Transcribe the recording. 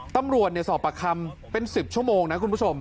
ตำรวจสอบประคำเป็น๑๐ชั่วโมงนะคุณผู้ชม